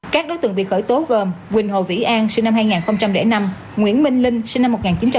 các đối tượng bị khởi tố gồm quỳnh hồ vĩ an sinh năm hai nghìn năm nguyễn minh linh sinh năm một nghìn chín trăm tám mươi